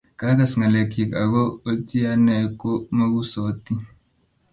ka agas ng'alekchich, ako ochi ane ko mokusoti